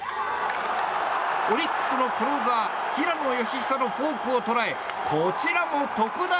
オリックスのクローザー平野佳寿のフォークを捉えこちらも特大！